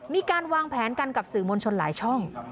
มีการวางแผนกันกับสื่อมวลชนหลายช่อง